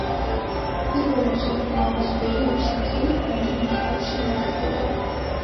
პირველი მსოფლიო ომის პერიოდში მთელი ფონდი მოსკოვში ინახებოდა.